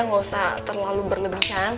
ga usah terlalu berlebihan